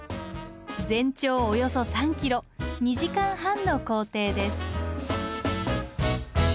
全長およそ３ｋｍ２時間半の行程です。